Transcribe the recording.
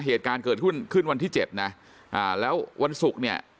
เหตุการณ์เกิดขึ้นขึ้นวันที่เจ็ดนะอ่าแล้ววันศุกร์เนี่ย